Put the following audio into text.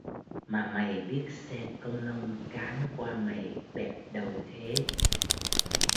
Mà mày biết xe công nông cán qua mày bẹp đầu thế